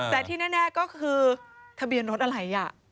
แต่ที่แน่ก็คือทะเบียนรถอะไร